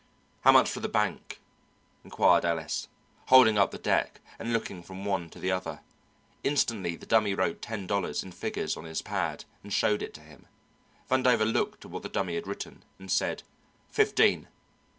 "How much for the bank?" inquired Ellis, holding up the deck and looking from one to the other. Instantly the Dummy wrote ten dollars, in figures, on his pad, and showed it to him. Vandover looked at what the Dummy had written, and said: "Fifteen."